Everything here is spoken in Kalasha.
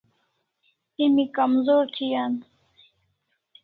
Emi kamzor thi an